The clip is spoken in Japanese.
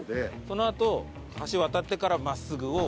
そのあと橋渡ってから真っすぐを。